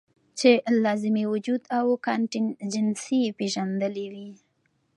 چې لازمي وجود او کانټينجنسي ئې پېژندلي وے -